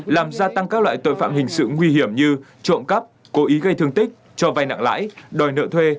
làm gia tăng các loại tội phạm hình sự nguy hiểm như trộm cắp cố ý gây thương tích cho vai nặng lãi đòi nợ thuê